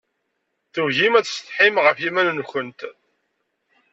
Tugimt ad tsetḥimt ɣef yiman-nkent.